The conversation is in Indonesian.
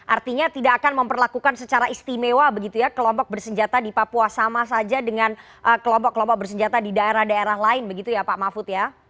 artinya tidak akan memperlakukan secara istimewa begitu ya kelompok bersenjata di papua sama saja dengan kelompok kelompok bersenjata di daerah daerah lain begitu ya pak mahfud ya